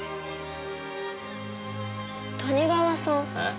谷川さん